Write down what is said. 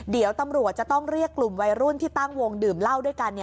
เดี๋ยวตำรวจจะต้องเรียกกลุ่มวัยรุ่นที่ตั้งวงดื่มเหล้าด้วยกัน